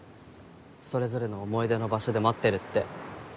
それぞれの思い出の場所で待ってるって。